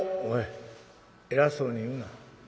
「おい偉そうに言うな。